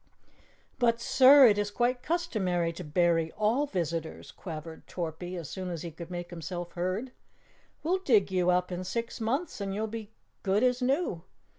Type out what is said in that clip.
"But, sir, it is quite customary to bury all visitors," quavered Torpy as soon as he could make himself heard. "We'll dig you up in six months and you'll be good as new.